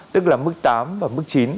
tức là mức tám và mức chín